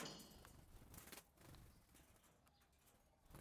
Mifugo wengine wanaoathirika